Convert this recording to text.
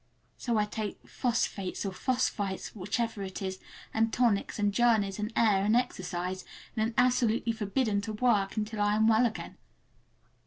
So I take phosphates or phosphites—whichever it is, and tonics, and journeys, and air, and exercise, and am absolutely forbidden to "work" until I am well again.